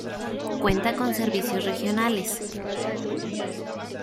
Cuenta con servicios Regionales.